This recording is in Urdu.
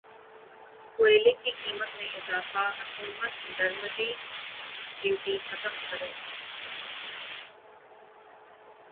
کوئلے کی قیمت میں اضافہ حکومت درمدی ڈیوٹی ختم کرے